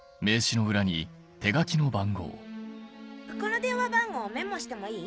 この電話番号メモしてもいい？